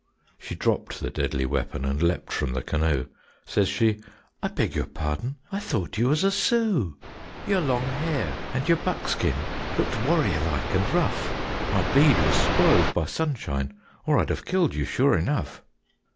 She dropped the deadly weapon And leaped from the canoe. Says she, "I beg your pardon; I thought you was a Sioux. Your long hair and your buckskin Looked warrior like and rough; My bead was spoiled by sunshine, Or I'd have killed you sure enough."